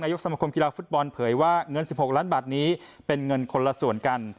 ยกสมคมกีฬาฟุตบอลเผยว่าเงิน๑๖ล้านบาทนี้เป็นเงินคนละส่วนกัน